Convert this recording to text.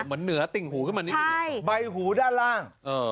เหมือนเหนือติ่งหูขึ้นมานิดนึงใบหูด้านล่าง